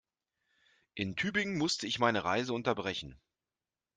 In Tübingen musste ich meine Reise unterbrechen